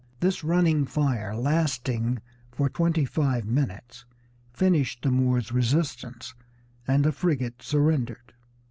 This running fire, lasting for twenty five minutes, finished the Moor's resistance, and the frigate surrendered.